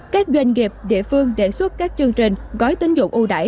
các doanh nghiệp địa phương đề xuất các chương trình gói tính dụng ưu đả